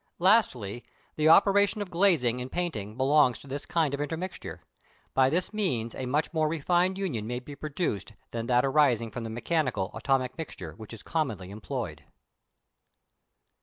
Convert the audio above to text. Lastly, the operation of glazing in painting belongs to this kind of intermixture; by this means a much more refined union may be produced than that arising from the mechanical, atomic mixture which is commonly employed.